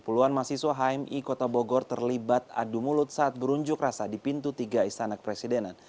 puluhan mahasiswa hmi kota bogor terlibat adu mulut saat berunjuk rasa di pintu tiga istana kepresidenan